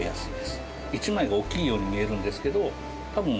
１枚が大きいように見えるんですけどたぶん。